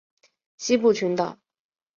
西部群岛。